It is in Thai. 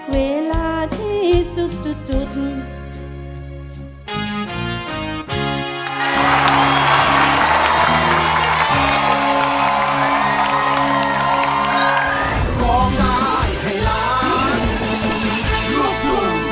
เวลาที่ทุกทุกทุกทุก